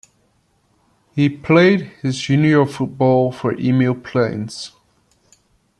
He played his junior football for Emu Plains.